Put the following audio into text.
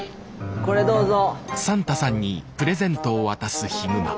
これどうぞ。